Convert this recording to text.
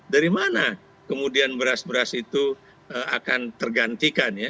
dari mana kemudian beras beras itu akan tergantikan ya